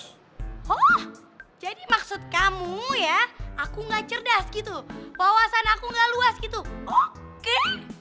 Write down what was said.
oh jadi maksud kamu ya aku nggak cerdas gitu wawasan aku nggak luas gitu oke